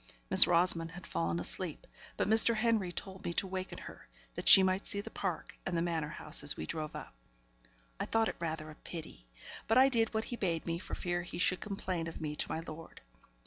Miss Rosamond had fallen asleep, but Mr. Henry told me to waken her, that she might see the park and the Manor House as we drove up. I thought it rather a pity; but I did what he bade me, for fear he should complain of me to my lord.